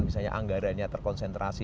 misalnya anggaranya terkonsentrasi